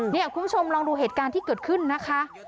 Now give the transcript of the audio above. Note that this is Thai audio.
นี่คุณผู้ชมลองดูเหตุการณ์ที่เกิดขึ้นนะคะ